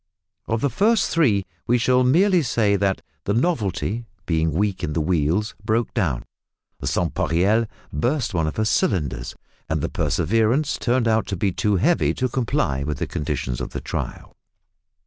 Of the first three we shall merely say that the "Novelty," being weak in the wheels, broke down; the "Sans pareil" burst one of her cylinders; and the "Perseverance" turned out to be too heavy to comply with the conditions of the trial.